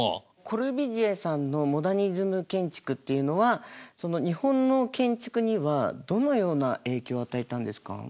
コルビュジエさんのモダニズム建築っていうのは日本の建築にはどのような影響を与えたんですか？